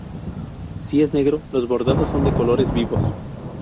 Si es negro los bordados son de colores vivos.